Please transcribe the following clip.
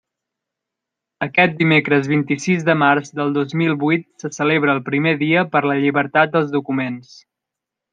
Aquest dimecres vint-i-sis de març del dos mil vuit se celebra el primer Dia per la Llibertat dels Documents.